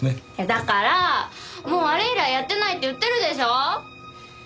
だからもうあれ以来やってないって言ってるでしょ。